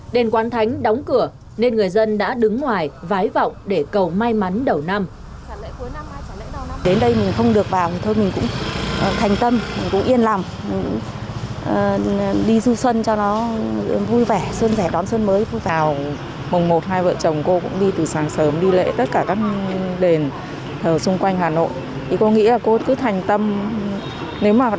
đền quán thánh đóng cửa nên người dân đã đứng ngoài vái vọng để cầu may mắn đầu năm